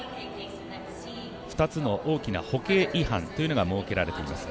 ２つの大きな歩型違反というのが設けられています。